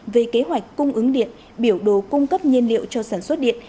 về kế hoạch cung ứng điện biểu đồ cung cấp nhiên liệu cho sản xuất điện